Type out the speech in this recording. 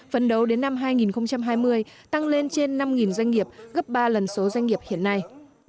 phần đầu đến năm hai nghìn hai mươi tăng lên trên năm doanh nghiệp gấp ba lần số doanh nghiệp hiện nay